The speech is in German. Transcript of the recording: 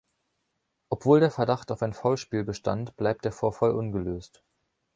Obwohl der Verdacht auf ein Foulspiel bestand, bleibt der Vorfall ungelöst.